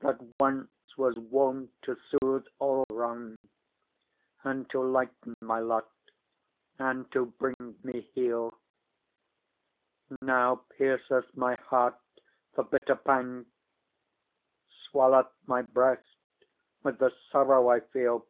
That once was wont to soothe all wrong, And to lighten my lot, and to bring me heal. Now pierceth my heart the bitter pang, Swelleth my breast with the sorrow I feel